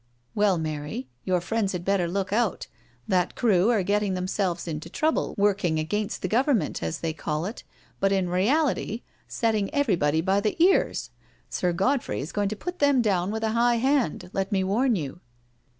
*' Well, Mary, your friends had better look out. That crew are getting themselves into trouble working against the Government, as they call it, but in reality setting everybody by the ears. Sir Godfrey is going to put them down with a high hand, let me warn you."